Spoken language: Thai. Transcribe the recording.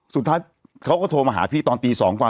สุดท้ายเขาก็โทรมาหาพี่ตอนตี๒กว่า